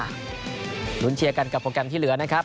ลุ้นเชียร์กันกับโปรแกรมที่เหลือนะครับ